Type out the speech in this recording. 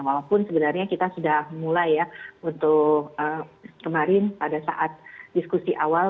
walaupun sebenarnya kita sudah mulai ya untuk kemarin pada saat diskusi awal